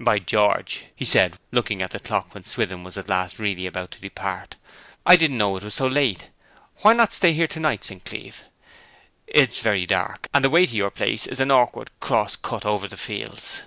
'By George!' he said, looking at the clock when Swithin was at last really about to depart. 'I didn't know it was so late. Why not stay here to night, St. Cleeve? It is very dark, and the way to your place is an awkward cross cut over the fields.'